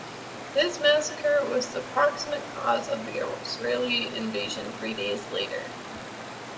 This massacre was the proximate cause of the Israeli invasion three days later.